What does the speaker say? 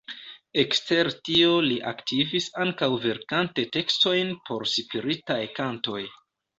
Ekster tio li aktivis ankaŭ verkante tekstojn por spiritaj kantoj.